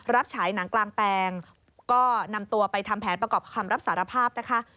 ฉายหนังกลางแปลงก็นำตัวไปทำแผนประกอบคำรับสารภาพนะคะ